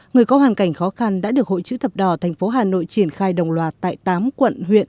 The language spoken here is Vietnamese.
người có hoàn cảnh khó khăn đã được hội chữ thập đỏ tp hà nội triển khai đồng loạt tại tám quận huyện